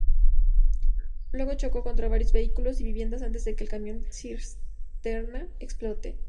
Luego chocó contra varios vehículos y viviendas antes de que el camión cisterna explote.